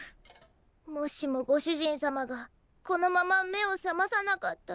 もしもご主人様がこのまま目を覚まさなかったら。